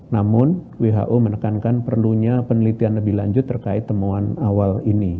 namun who menekankan perlunya penelitian lebih lanjut terkait temuan awal ini